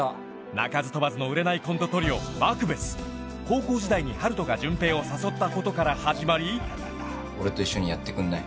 鳴かず飛ばずの売れないコントトリオマクベス高校時代に春斗が潤平を誘ったことから始まり俺と一緒にやってくんない？